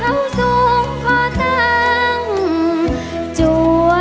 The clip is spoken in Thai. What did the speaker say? ล้วยกันสิ่งที่จะคิดเต็มสู่กัน